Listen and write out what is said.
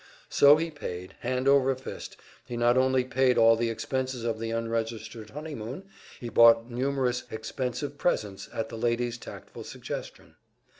So he paid, hand over fist; he not only paid all the expenses of the unregistered honeymoon, he bought numerous expensive presents at the lady's tactful suggestion.